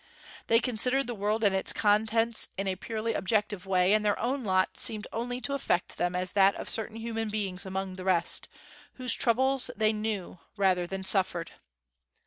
They considered the world and its contents in a purely objective way, and their own lot seemed only to affect them as that of certain human beings among the rest, whose troubles they knew rather than suffered.